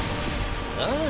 ああ！